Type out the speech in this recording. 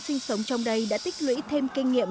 sinh sống trong đây đã tích lũy thêm kinh nghiệm